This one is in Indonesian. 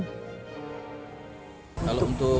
usai ditabrak korban tewas di tengah jalan